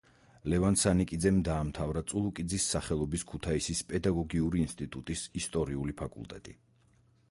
ლევან სანიკიძემ დაამთავრა წულუკიძის სახელობის ქუთაისის პედაგოგიური ინსტიტუტის ისტორიული ფაკულტეტი.